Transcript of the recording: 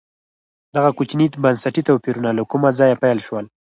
دغه کوچني بنسټي توپیرونه له کومه ځایه پیل شول.